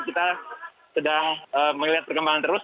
kita sedang melihat perkembangan terus